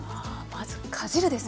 まずかじるです